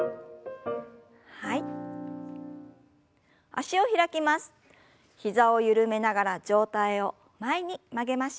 脚を開きます。